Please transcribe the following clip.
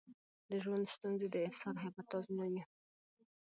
د ژوند ستونزې د انسان همت ازمويي.